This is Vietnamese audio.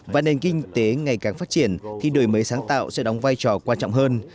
và nền kinh tế ngày càng phát triển thì đổi mới sáng tạo sẽ đóng vai trò quan trọng hơn